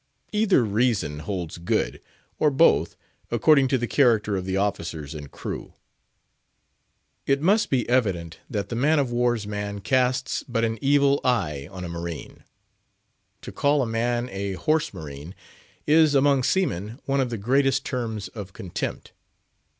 Either reason holds good, or both, according to the character of the officers and crew. It must be evident that the man of war's man casts but an evil eye on a marine. To call a man a "horse marine," is, among seamen, one of the greatest terms of contempt.